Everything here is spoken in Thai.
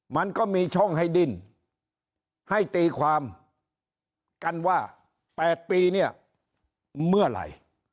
มันก็มีช่องให้ดิ้นให้ตีความกันว่า๘ปีเนี่ยเมื่อไหร่